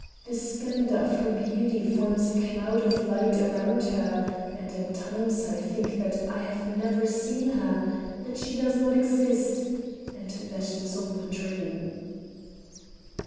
The splendour of her beauty forms a cloud of light around her, and at times I think that I have never seen her—that she does not exist—and that it is all a dream!"